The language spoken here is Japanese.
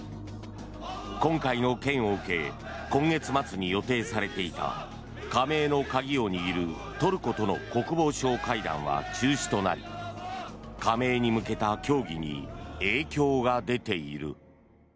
今回の件を受け今月末に予定されていた加盟の鍵を握るトルコとの国防相会談は中止となり加盟に向けた協議に影響が出ている。